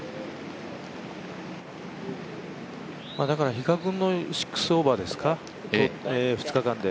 比嘉君の６オーバーですか２日間で。